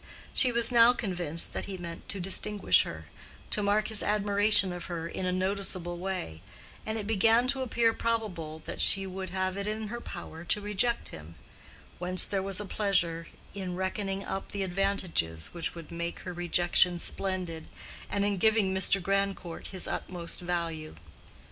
She was now convinced that he meant to distinguish her, to mark his admiration of her in a noticeable way; and it began to appear probable that she would have it in her power to reject him, whence there was a pleasure in reckoning up the advantages which would make her rejection splendid, and in giving Mr. Grandcourt his utmost value.